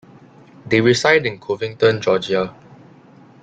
They reside in Covington, Georgia.